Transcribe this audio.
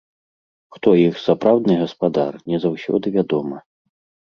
Хто іх сапраўдны гаспадар, не заўсёды вядома.